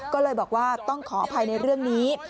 ก็เลยบอกว่าต้องขออภัยในเรื่องนี้